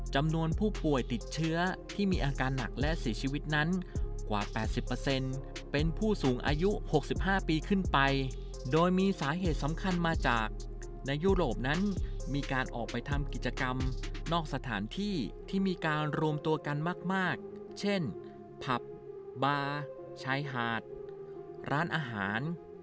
จำนวนผู้ป่วยติดเชื้อที่มีอาการหนักและเสียชีวิตนั้นกว่า๘๐เป็นผู้สูงอายุ๖๕ปีขึ้นไปโดยมีสาเหตุสำคัญมาจากในยุโรปนั้นมีการออกไปทำกิจกรรมนอกสถานที่ที่มีการรวมตัวกันมากเช่นผับบาร์ชายหาดร้านอาหาร